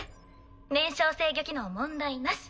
燃焼制御機能問題なし。